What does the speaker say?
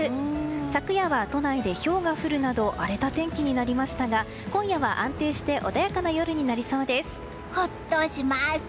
昨夜は都内でひょうが降るなど荒れた天気になりましたが今夜は安定してホッとします！